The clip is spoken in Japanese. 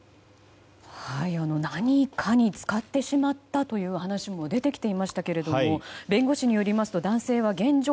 何かに使ってしまったという話も出てきていましたけれども弁護士によりますと男性は現状